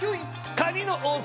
カニの王様